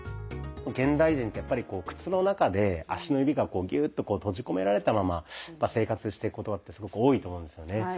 現代人ってやっぱり靴の中で足の指がこうギューッと閉じ込められたまま生活してることってすごく多いと思うんですよね。